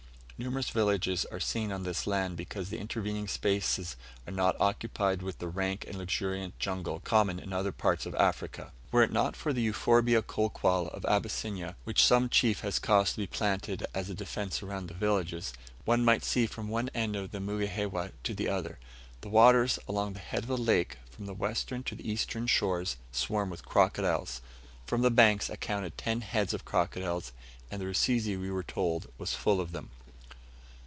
Numerous villages are seen on this land because the intervening spaces are not occupied with the rank and luxuriant jungle common in other parts of Africa. Were it not for the Euphorbia kolquall of Abyssinia which some chief has caused to be planted as a defence round the villages one might see from one end of Mugihewa to the other. The waters along the head of the lake, from the western to the eastern shores, swarm with crocodiles. From the banks, I counted ten heads of crocodiles, and the Rusizi, we were told, was full of them.